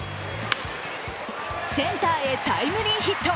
センターへタイムリーヒット。